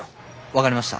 分かりました。